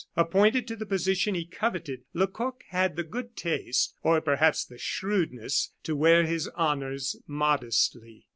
Appointed to the position he coveted, Lecoq had the good taste, or perhaps the shrewdness, to wear his honors modestly.